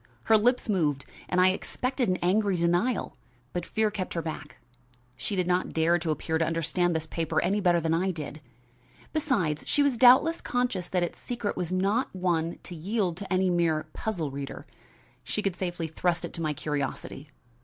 Her lips moved and I expected an angry denial, but fear kept her back. She did not dare to appear to understand this paper any better than I did. Besides, she was doubtless conscious that its secret was not one to yield to any mere puzzle reader. She could safely trust it to my curiosity.